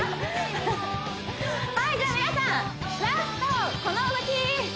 はいじゃあ皆さんラストこの動き